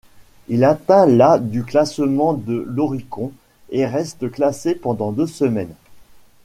Il atteint la du classemement de l'oricon, et reste classé pendant deux semaines.